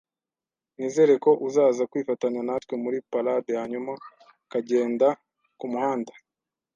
Nizere ko uzaza kwifatanya natwe muri parade hanyuma ukagenda kumuhanda.